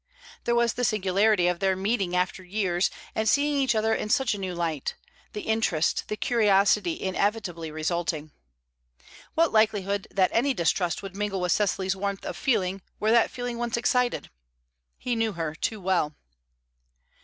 There was the singularity of their meeting after years, and seeing each other in such a new light; the interest, the curiosity inevitably resulting. What likelihood that any distrust would mingle with Cecily's warmth of feeling, were that feeling once excited? He knew her too well.